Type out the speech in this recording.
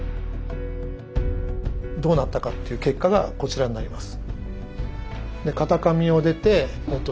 どうなったのかという結果がこちらになります。